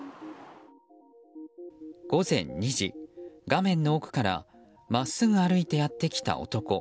午前２時、画面の奥から真っすぐ歩いてやってきた男。